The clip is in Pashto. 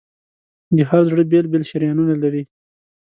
د هر زړه بېل بېل شریانونه لري.